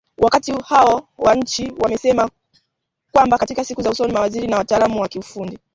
Wakuu hao wa nchi wamesema kwamba katika siku za usoni mawaziri na wataalamu wa kiufundi